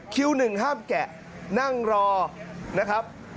๑ห้ามแกะนั่งรอนะครับ